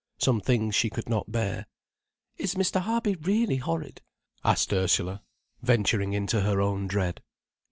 Some things she could not bear. "Is Mr. Harby really horrid?" asked Ursula, venturing into her own dread.